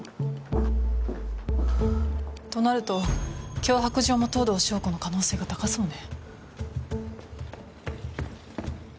となると脅迫状も藤堂将子の可能性が高そうね。